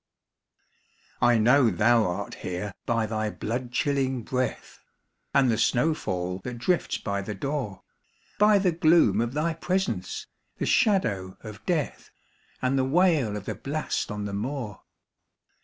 I know thou art here by thy blood chilling breath, And the snow fall that drifts by the door, By the gloom of thy presence, the shadow of death, And the wail of the blast on the moor.